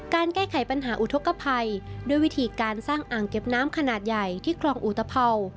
แก้ไขปัญหาอุทธกภัยด้วยวิธีการสร้างอ่างเก็บน้ำขนาดใหญ่ที่คลองอุตภัว